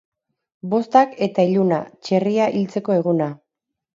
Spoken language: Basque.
Bostak eta iluna, txerria hiltzeko eguna.